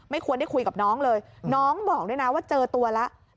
ควรได้คุยกับน้องเลยน้องบอกด้วยนะว่าเจอตัวแล้ว